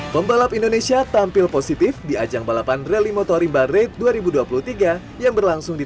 pembalap indonesia tampil positif di ajang balapan rally motorimba rate dua ribu dua puluh tiga yang berlangsung di